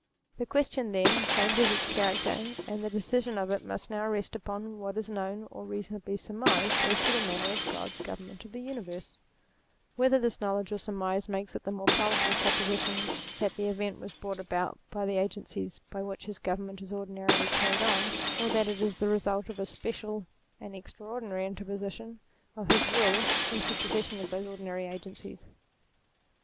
The question then changes its character, and the decision of it must now rest upon what is known or reasonably surmised as to the manner of God's government of the universe : whether this knowledge or surmise makes it the more probable supposition that the event was brought about by the agencies by which his government is ordinarily carried on, or that it is the result of a special and REVELATION 233 extraordinary interposition of his will in supersession of those ordinary agencies.